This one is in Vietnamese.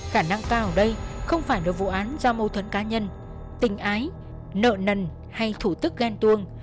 khả năng cao ở đây không phải là vụ án do mâu thuẫn cá nhân tình ái nợ nần hay thủ tức ghen tuông